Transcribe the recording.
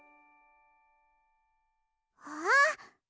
あっ！